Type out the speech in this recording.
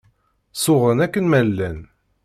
Suɣen akken ma llan.